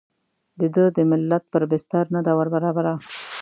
د ده د ملت پر بستر نه ده وربرابره.